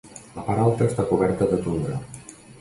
La part alta està coberta de tundra.